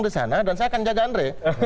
di sana dan saya akan jaga andre